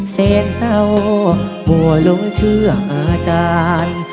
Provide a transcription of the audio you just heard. แสนเศร้ามั่วลงเชื่ออาจารย์